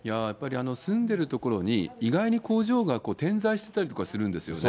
住んでる所に、意外に工場が点在してたりとかするんですよね。